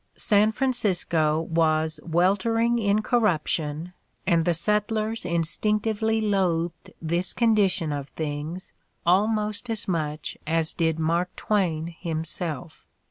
San Francisco was "weltering in corruption" and the settlers instinct ively loathed this condition of things almost as much as did Mark Twain himself.